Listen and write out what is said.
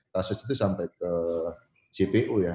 kasus itu sampai ke jpu ya